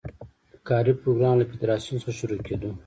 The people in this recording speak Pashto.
کاري پروګرام له فدراسیون څخه شروع کېدو.